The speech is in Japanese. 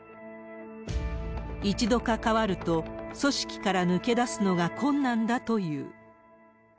一度関わると、組織から抜け出すのが困難だという。